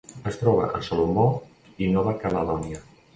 Es troba a Salomó i Nova Caledònia.